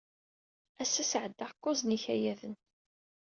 Ass-a, sɛeddaɣ kuẓ n yikayaden.